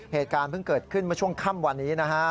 เหตุการณ์เพิ่งเกิดขึ้นเมื่อช่วงค่ำวันนี้นะฮะ